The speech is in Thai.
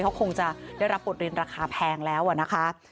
เขาคงจะได้รับบทเรียนราคาแพงแล้วนะคะ